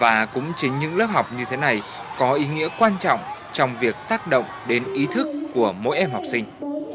và cũng chính những lớp học như thế này có ý nghĩa quan trọng trong việc tác động đến ý thức của mỗi em học sinh